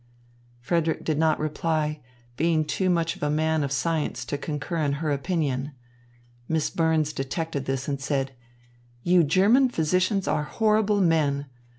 Frederick did not reply, being too much a man of science to concur in her opinion. Miss Burns detected this, and said: "You German physicians are horrible men.